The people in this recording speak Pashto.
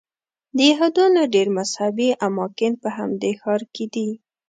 د یهودانو ډېر مذهبي اماکن په همدې ښار کې دي.